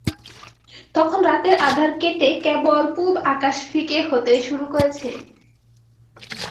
তখন রাতের আঁধার কেটে কেবল পুব আকাশ ফিকে হতে শুরু করেছে।